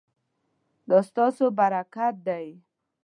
دا ستاسو برکت دی